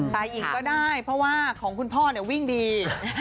ทายหิงก็ได้เพราะว่ามีข้อของคุณพ่อวิ่งดี